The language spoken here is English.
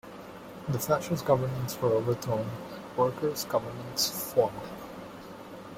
The fascist governments were overthrown, and workers' governments formed.